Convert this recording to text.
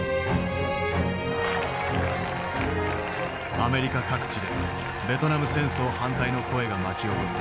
アメリカ各地でベトナム戦争反対の声が巻き起こった。